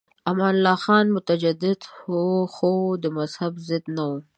امان الله خان متجدد و خو د مذهب ضد نه و.